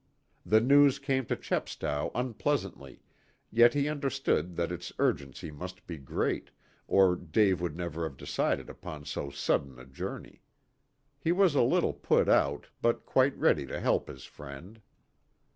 The news came to Chepstow unpleasantly, yet he understood that its urgency must be great, or Dave would never have decided upon so sudden a journey. He was a little put out, but quite ready to help his friend.